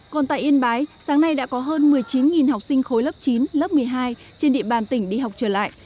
còn tại yên bái sáng nay đã có hơn một mươi chín học sinh khối lớp chín lớp một mươi hai trên địa bàn tỉnh đi học trở lại